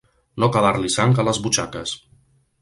No quedar-li sang a les butxaques.